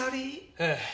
ええ。